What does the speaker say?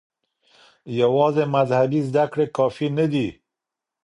يوازې مذهبي زده کړې کافي نه دي.